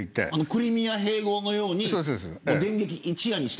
クリミア併合のように一夜にして。